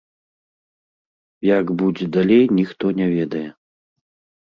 Як будзе далей, ніхто не ведае.